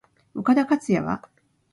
岡田克也は？